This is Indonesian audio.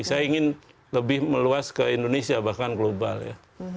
saya ingin lebih meluas ke indonesia bahkan global ya